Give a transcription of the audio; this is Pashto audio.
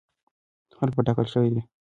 حل به ټاکل شوی وي.